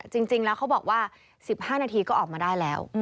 จริงแล้วเขาบอกว่า๑๕นาทีก็ออกมาได้แล้ว